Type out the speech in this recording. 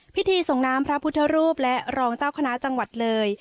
พิธีส่งน้ำพระพุทธรูปและรองเจ้าคณะจังหวัดเลย